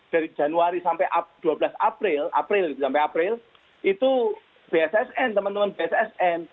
dari januari sampai dua belas april april sampai april itu bssn teman teman bssn